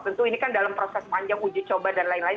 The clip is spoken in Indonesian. tentu ini kan dalam proses panjang uji coba dan lain lain